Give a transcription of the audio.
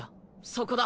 そこだ。